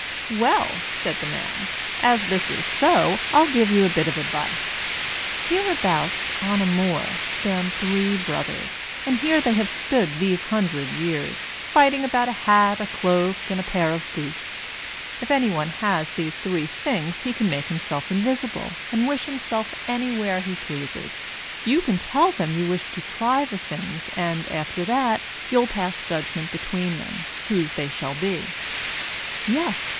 "Well!" said the man, "as this is so, I'll give you a bit of advice. Hereabouts, on a moor, stand three brothers, and here they have stood these hundred years, fighting about a hat, a cloak, and a pair of boots. If any one has these three things he can make himself invisible, and wish himself anywhere he pleases. You can tell them you wish to try the things, and, after that, you'll pass judgment between them, whose they shall be." Yes!